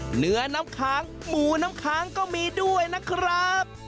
เหนือน้ำค้างหมูน้ำค้างก็มีด้วยนะครับ